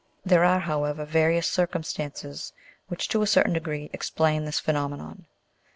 There are, however, various circum stances which, to a certain degree, explain this phenomenon.